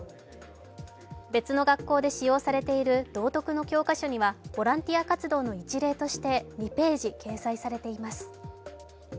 別の学校で使用されている道徳の教科書にはボランティア活動の一例として２ページ掲載されています。